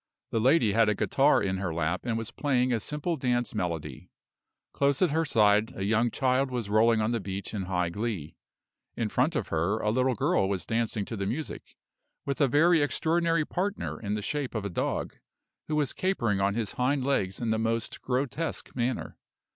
The lady had a guitar in her lap and was playing a simple dance melody. Close at her side a young child was rolling on the beach in high glee; in front of her a little girl was dancing to the music, with a very extraordinary partner in the shape of a dog, who was capering on his hind legs in the most grotesque manner.